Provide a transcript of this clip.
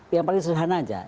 yang paling sederhana aja